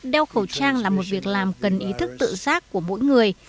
đeo khẩu trang là một việc làm cần ý thức tự giác của mỗi người